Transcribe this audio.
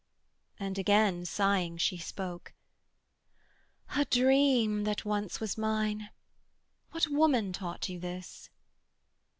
And again sighing she spoke: 'A dream That once was mine! what woman taught you this?'